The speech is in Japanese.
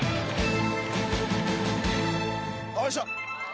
よいしょっ！